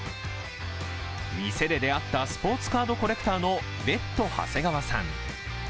店で出会ったスポーツカードコレクターのベット・ハセガワさん。